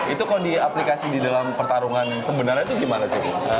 itu kalau di aplikasi di dalam pertarungan sebenarnya itu gimana sih